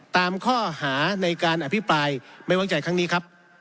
ตามข้อหาในการอภิปรายไม่วางใจครั้งนี้ครับ